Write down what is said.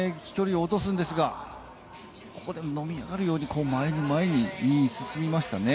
ここで突っ込みすぎると飛距離を落とすんですが、ここで盛り上がるように前に前に進みましたね。